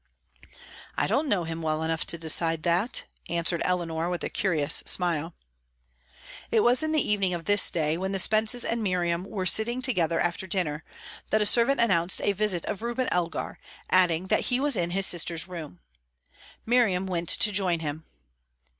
"I don't know him well enough to decide that," answered Eleanor, with a curious smile. It was in the evening of this day, when the Spences and Miriam were sitting together after dinner, that a servant announced a visit of Reuben Elgar, adding that he was in his sister's room. Miriam went to join him.